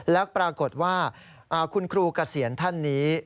แล้วปรากฏว่าคุณครูเกษียณท่านนี้